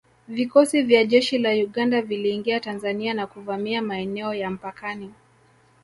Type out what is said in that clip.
Vikosi vya jeshi la Uganda viliingia Tanzania na kuvamia maeneo ya mpakani